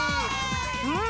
うん！